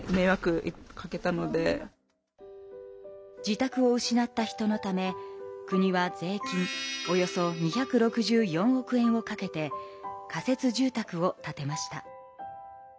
自宅を失った人のため国は税金およそ２６４億円をかけて仮設住宅を建てました。